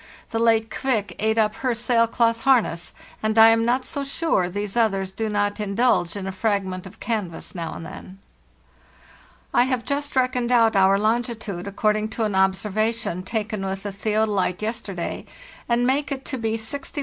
The late ' Kvik' ate up her sail cloth harness, and I am not so sure these others do not indulge in a fragment of canvas now and then. "| have just reckoned out our longitude according to an observation taken with the theodolite yesterday, and make it to be 61° 16.